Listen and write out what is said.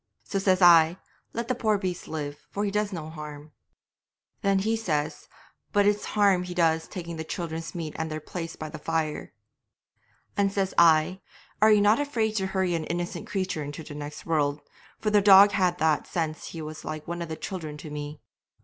'So says I, "Let the poor beast live, for he does no harm." 'Then says he, "But it's harm he does taking the children's meat and their place by the fire." 'And says I, "Are ye not afraid to hurry an innocent creature into the next world?" for the dog had that sense he was like one of the children to me.